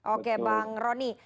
oke bang roni